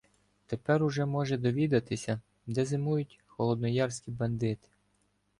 Тепер уже може довідатися, де зимують "холодноярські бандити".